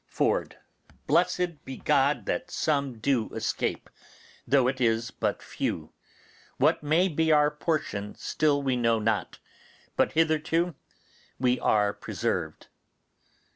Ford. Blessed be God that some do escape, though it is but few; what may be our portion still we know not, but hitherto we are preserved.